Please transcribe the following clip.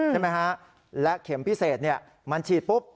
ใช่ไหมฮะและเข็มพิเศษมันฉีดปุ๊บ